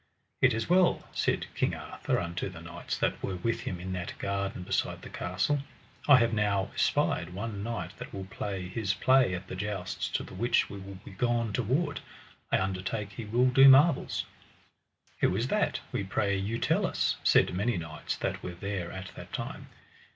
It is well, said King Arthur unto the knights that were with him in that garden beside the castle, I have now espied one knight that will play his play at the jousts to the which we be gone toward; I undertake he will do marvels. Who is that, we pray you tell us? said many knights that were there at that time.